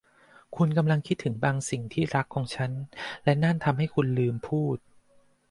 คุณกำลังคิดถึงบางสิ่งที่รักของฉันและนั่นทำให้คุณลืมพูด